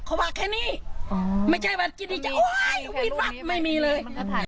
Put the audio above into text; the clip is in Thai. เขาบอกแค่นี้อ๋อไม่ใช่ว่ากินอีกไม่มีเลย